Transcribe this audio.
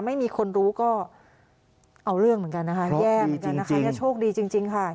ไม่มีคนรู้ก็เอาเรื่องเหมือนกันนะคะแย่เหมือนกันนะคะเนี่ยโชคดีจริงค่ะ